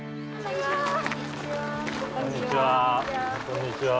こんにちは。